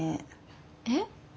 えっ？